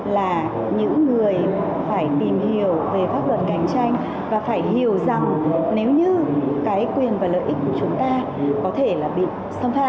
là những người phải tìm hiểu về pháp luật cạnh tranh và phải hiểu rằng nếu như cái quyền và lợi ích của chúng ta có thể là bị xâm phạm